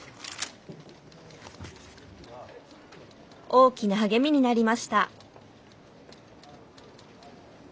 「大きな励みになりました」。